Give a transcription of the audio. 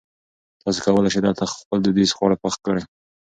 تاسي کولای شئ دلته خپل دودیز خواړه پخ کړي.